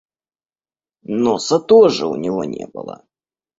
Носа тоже у него не было.